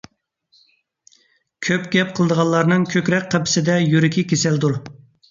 كۆپ گەپ قىلىدىغانلارنىڭ كۆكرەك قەپىسىدە يۈرىكى كېسەلدۇر.